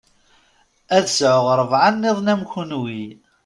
Ad sɛuɣ rebɛa nniḍen am kunwi.